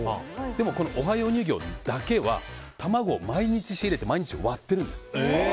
でも、このオハヨー乳業だけは卵を毎日仕入れて毎日割ってるんです。